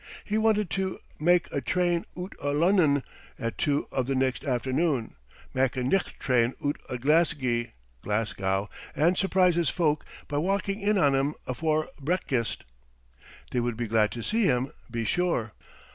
He wanted to "mak' a train oot o' Lunnon" at two of the next afternoon, "mak' a nicht train oot o' Glesgie" (Glasgow) and surprise his folk by walking in on 'em "afore brekkist." They would be glad to see him, be sure.